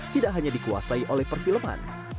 tidak hanya dikuasai oleh perfilman